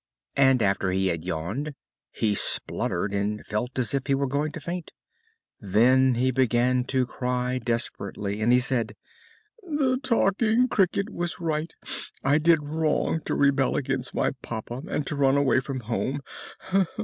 And after he had yawned he spluttered and felt as if he were going to faint. Then he began to cry desperately, and he said: "The Talking Cricket was right. I did wrong to rebel against my papa and to run away from home.